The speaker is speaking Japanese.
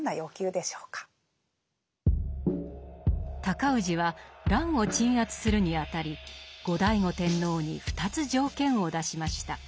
高氏は乱を鎮圧するにあたり後醍醐天皇に２つ条件を出しました。